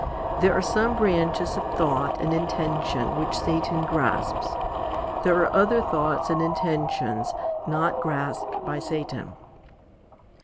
There are some branches of thought and intention which Satan grasps ; there are other thoughts and intentions not grasped by Satan.